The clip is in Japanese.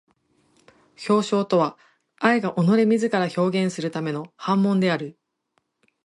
表象とは愛が己れ自ら表現するための煩悶である。